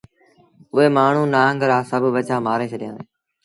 اُئي مآڻهوٚٚݩ نآݩگ رآ سڀ ٻچآ مآري ڇڏيآݩدي